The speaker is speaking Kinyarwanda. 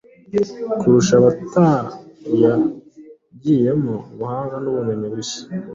kurusha abatarayagiyemo, ubuhanga n'ubumenyi bushya.